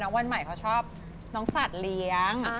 วันใหม่เขาชอบน้องสัตว์เลี้ยง